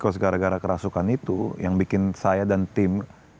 karena gara gara kerasukan itu yang bikin saya dan tim